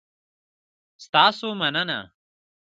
ستاسو مننه؟